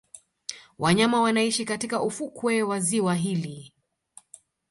Wanyama wanaishi katika ufukwe wa ziwa hili